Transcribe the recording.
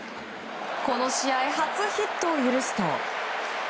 この試合初ヒットを許すと。